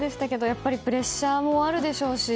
やっぱりプレッシャーもあるでしょうし